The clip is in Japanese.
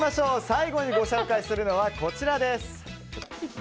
最後にご紹介するのはこちらです。